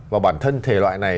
và bản thân thể loại này